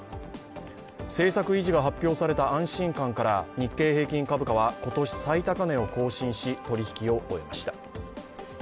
政策維持が発表された安心感から日経平均株価は今年最高値を更新し、取引を終えました。